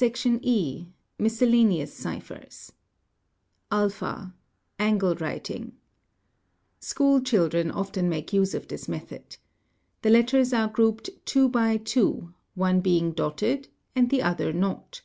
a E. Miscellaneous ciphers. (a) Angle writing :—School children often make use of this method. | The letters are grouped 2 by 2, one being dotted and the other not.